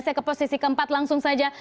saya ke posisi keempat langsung saja